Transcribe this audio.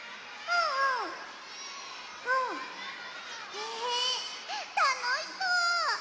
へえたのしそう！